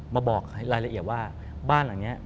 มาบอกรายละเอียดว่าบ้านหลังนี้